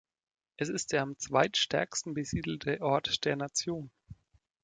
Es ist der am zweitstärksten besiedelte Ort der Nation.